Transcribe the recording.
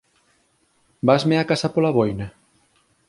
Vasme á casa pola boina?